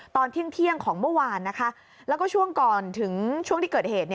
ตอนที่เที่ยงของเมื่อวานนะคะแล้วก็ช่วงที่เกิดเหตุ